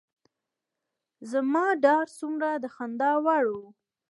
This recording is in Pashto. زما دا ډار څومره د خندا وړ و.